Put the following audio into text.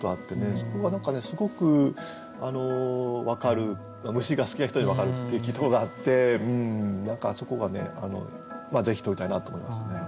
そこが何かねすごく分かる虫が好きな人に分かるって聞いたことがあって何かそこがねぜひとりたいなと思いますね。